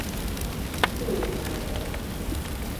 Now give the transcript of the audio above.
Új Major.